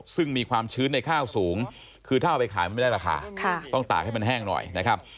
ซึ่งมีความชื้นในข้าวสูงคือถ้าเอาไปขายมันไม่ได้ราคาต้องตากให้มันแห้งหน่อยนะครับ